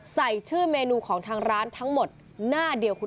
ใส่ชื่อเมนูของทางร้านทั้งหมดหน้าเดียวคุณ